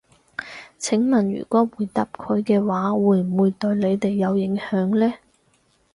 請問如果回答佢哋嘅話，會唔會對你哋有影響呢？